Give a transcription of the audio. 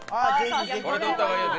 これ撮った方がいいよ。